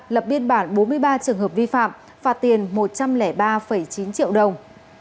lập biên bản bốn mươi ba trường hợp vi phạm phạt tiền một trăm linh ba chín triệu đồng